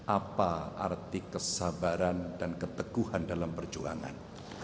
apa arti kesabaran dan keteguhan dalam perjuangan